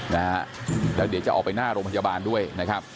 นะฮะแล้วเดี๋ยวจะออกไปหน้าโรงพยาบาลด้วยนะครับ